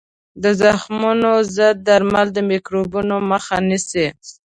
د زخمونو ضد درمل د میکروبونو مخه نیسي.